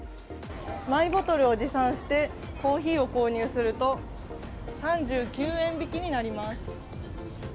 マイボトルを持参してコーヒーを購入すると３９円引きになります。